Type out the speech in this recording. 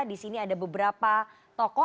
disini ada beberapa tokoh